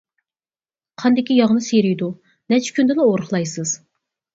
قاندىكى ياغنى سىيرىيدۇ، نەچچە كۈندىلا ئورۇقلايسىز.